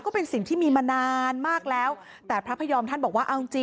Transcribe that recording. ก็เป็นเรื่องของความศรัทธาเป็นการสร้างขวัญและกำลังใจ